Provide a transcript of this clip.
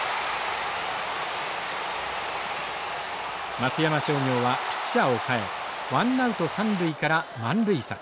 松山商業はピッチャーを代えワンナウト三塁から満塁策。